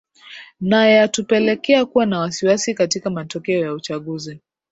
na yatupelekea kuwa na wasiwasi katika matokeo ya uchaguzi